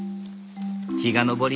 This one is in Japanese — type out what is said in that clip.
日が昇り